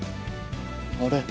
あれ。